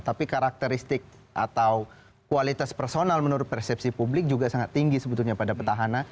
tapi karakteristik atau kualitas personal menurut persepsi publik juga sangat tinggi sebetulnya pada petahana